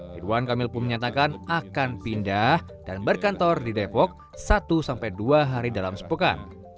ridwan kamil pun menyatakan akan pindah dan berkantor di depok satu sampai dua hari dalam sepekan